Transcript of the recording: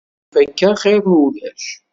Menyif akka xir n ulac.